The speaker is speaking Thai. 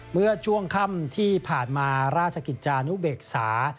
เมื่อช่วงค่ำที่ผ่านมาราชกิจจานุเบกษา